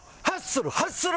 ハッスル！